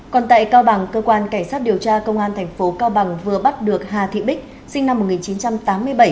còn tại cao bằng cơ quan cảnh sát điều tra công an thành phố cao bằng vừa bắt được hà thị bích sinh năm một nghìn chín trăm tám mươi bảy